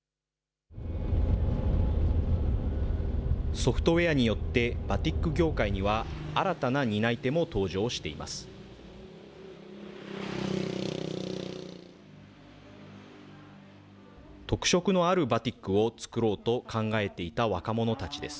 ソフトウエアによってバティック業界には、新たな担い手も登場しています。